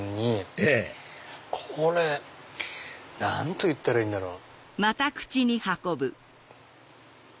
ええ何と言ったらいいんだろう？